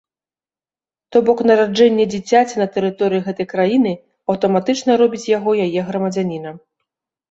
То бок нараджэнне дзіцяці на тэрыторыі гэтай краіны аўтаматычна робіць яго яе грамадзянінам.